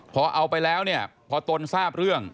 พอเอาไปแล้วเนี่ยพอตนทราบเรื่อง